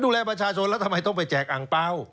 ดูแลประชาชนแล้วทำไมต้องไปแจกอังเปล่า